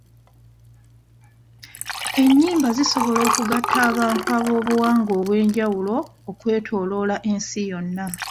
Ennyimba zisobola okugatta abantu ab'obuwangwa obw'enjawulo okwetooloola ensi yonna.